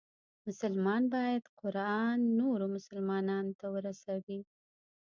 مسلمان باید قرآن نورو مسلمانانو ته ورسوي.